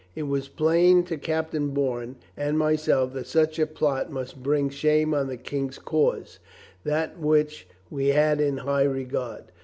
It was plain to Captain Bourne and myself that such a plot must bring shame on the King's cause, the which we had in high regard.